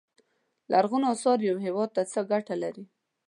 لرغونو اثار یو هیواد ته څه ګټه لري.